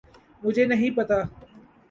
مجھے نہیں پتہ۔